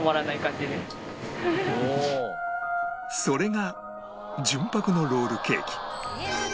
それが純白のロールケーキ